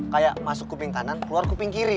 kayak masuk kuping kanan keluar kuping kiri